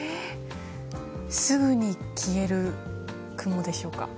すぐに消える雲でしょうか。